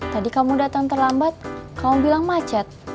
tadi kamu datang terlambat kamu bilang macet